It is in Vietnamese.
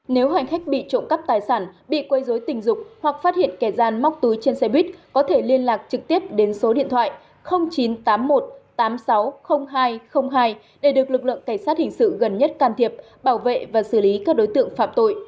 nếu hành khách bị trộm cắp tài sản bị quây dối tình dục hoặc phát hiện kẻ gian móc túi trên xe buýt có thể liên lạc trực tiếp đến số điện thoại chín trăm tám mươi một tám mươi sáu hai để được lực lượng cảnh sát hình sự gần nhất can thiệp bảo vệ và xử lý các đối tượng phạm tội